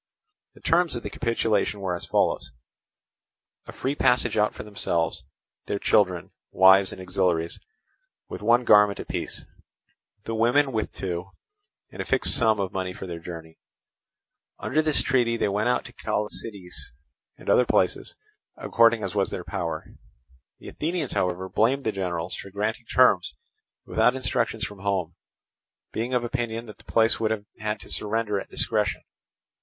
The terms of the capitulation were as follows: a free passage out for themselves, their children, wives and auxiliaries, with one garment apiece, the women with two, and a fixed sum of money for their journey. Under this treaty they went out to Chalcidice and other places, according as was their power. The Athenians, however, blamed the generals for granting terms without instructions from home, being of opinion that the place would have had to surrender at discretion.